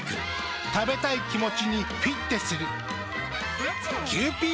食べたい気持ちにフィッテする。